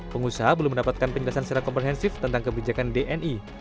pengusaha belum mendapatkan penjelasan secara komprehensif tentang kebijakan dni